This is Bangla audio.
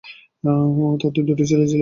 তাদের দুটি ছেলে ছিল।